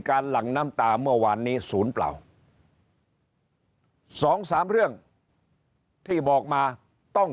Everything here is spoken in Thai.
หลั่งน้ำตาเมื่อวานนี้ศูนย์เปล่าสองสามเรื่องที่บอกมาต้อง